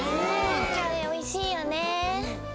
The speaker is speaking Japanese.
カレーおいしいよね。